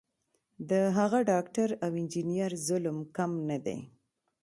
د هغه ډاکټر او انجینر ظلم کم نه دی.